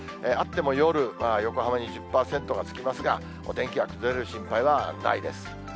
あっても夜、横浜に１０％がつきますが、お天気は崩れる心配はないです。